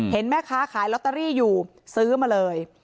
เห็นแม่ค้าขายลอตเตอรี่อยู่ซื้อมาเลย